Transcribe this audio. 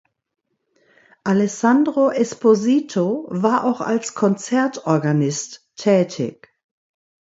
Alessandro Esposito war auch als Konzertorganist tätig.